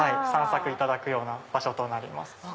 散策いただくような場所となります。